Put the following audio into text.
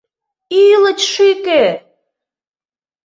Ӱлыч шӱкӧ!